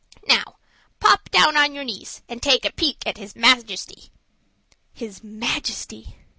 Now pop down on your knees, and take a peep at his Majesty." His Majesty!